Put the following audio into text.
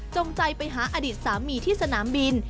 จงใจไปหาอดิษฐ์สามีที่สนามบิน